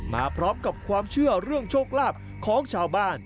มาพร้อมกับความเชื่อเรื่องโชคลาภของชาวบ้าน